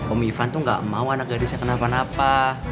om ivan tuh gak mau anak gadisnya kenapa napa